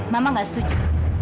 mama enggak setuju